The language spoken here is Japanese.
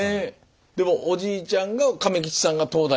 でもおじいちゃんが亀吉さんが東大寺に携わってて。